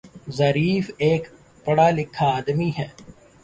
Zarif ایک پڑھا لکھا آدمی ہے